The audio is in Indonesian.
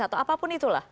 atau apapun itulah